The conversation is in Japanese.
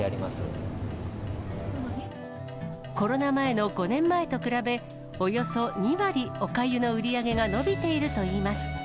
コロナ前の５年前と比べ、およそ２割おかゆの売り上げが伸びているといいます。